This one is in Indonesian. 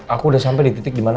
aku udah sampe di titik dimana